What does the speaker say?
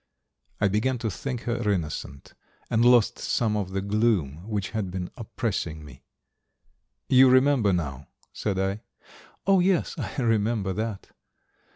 I began to think her innocent and lost some of the gloom which had been oppressing me. "You remember now," said I. "Oh, yes, I remember that."